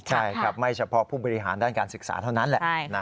ใช่ครับไม่เฉพาะผู้บริหารด้านการศึกษาเท่านั้นแหละ